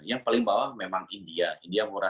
yang paling bawah memang india